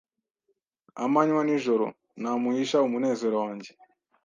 amanywa nijoro Namuhisha umunezero wanjye